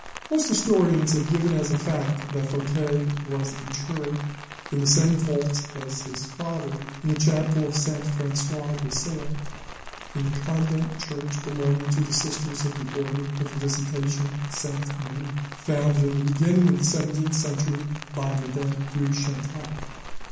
Most historians have given as a fact that Fouquet was interred in the same vault as his father in the chapel of Saint Francois de Sales in the convent church belonging to the Sisters of the Order of the Visitation Sainte Marie, founded in the beginning of the seventeenth century by Madame de Chantal.